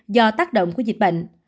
do tác động của dịch bệnh